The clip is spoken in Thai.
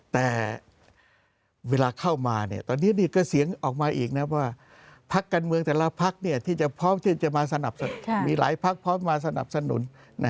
แต่เวลาเข้ามาตอนนี้ก็เสียงออกมาอีกว่าพักกันเมืองแต่ละพักที่จะพร้อมมาสนับสนุน